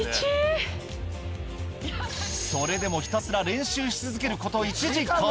それでもひたすら練習し続けること１時間。